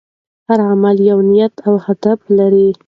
هر عمل یو نیت او هدف لري.